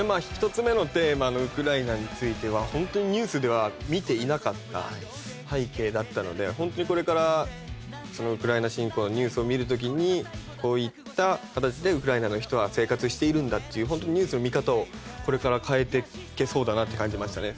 １つ目のテーマのウクライナについてはホントにニュースでは見ていなかった背景だったのでホントにこれからウクライナ侵攻のニュースを見る時にこういった形でウクライナの人は生活しているんだっていうホントにニュースの見方をこれから変えていけそうだなって感じましたね。